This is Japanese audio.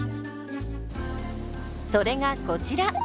それがこちら。